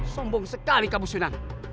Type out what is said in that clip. sombong sekali kamu sunan